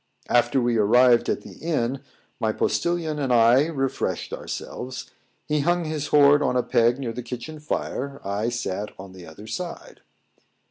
After we arrived at the inn my postillion and I refreshed ourselves: he hung his horn on a peg near the kitchen fire; I sat on the other side.